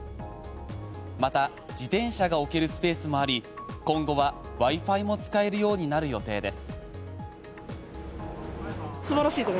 また自転車が置けるスペースもあり今後はＷｉ−Ｆｉも使えるようになる予定です。